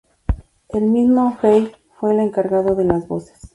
El mismo Frehley fue el encargado de las voces.